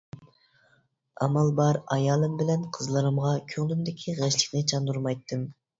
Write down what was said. ئامال بار ئايالىم بىلەن قىزلىرىمغا كۆڭلۈمدىكى غەشلىكنى چاندۇرمايتتىم.